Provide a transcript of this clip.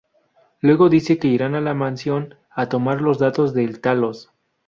Luego dice que irán a la mansión a tomar los datos del Talos.